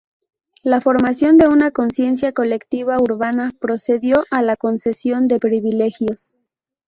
La formación de una conciencia colectiva urbana precedió a la concesión de privilegios.